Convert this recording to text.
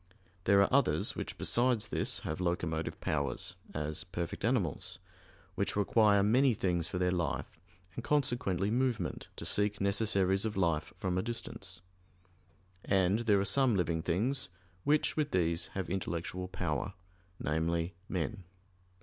There are others which besides this have locomotive powers, as perfect animals, which require many things for their life, and consequently movement to seek necessaries of life from a distance. And there are some living things which with these have intellectual power namely, men.